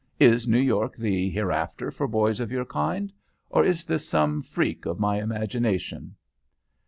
Is New York the hereafter for boys of your kind, or is this some freak of my imagination?'"